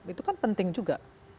itu kan penting juga